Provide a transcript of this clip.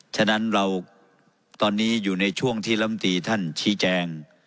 ฉะนั้นเราตอนนี้อยู่ในช่วงที่ลำตีท่านชี้แจง